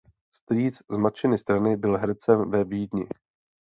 Strýc z matčiny strany byl hercem ve Vídni.